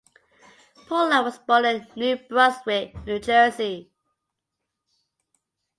Pollack was born in New Brunswick, New Jersey.